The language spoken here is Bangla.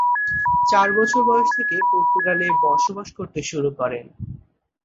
চার বছর বয়স থেকে পর্তুগালে বসবাস করতে শুরু করেন।